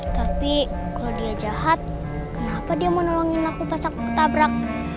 tapi kalau dia jahat kenapa dia mau nolongin aku pas aku ketabrak